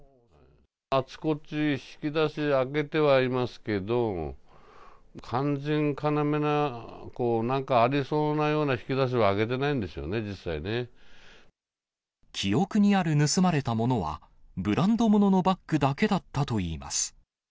あちこち、引き出し開けてはいますけど、肝心要ななんかありそうなような引き出しは開けてないんですよね、記憶にある盗まれたものは、ブランドもののバッグだけだったといいます。